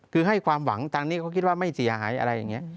คือให้ความหวังตามนี้เขาคิดว่าไม่เสียหายอะไรอย่างนี้